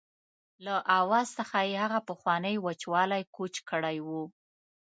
له آواز څخه یې هغه پخوانی وچوالی کوچ کړی و.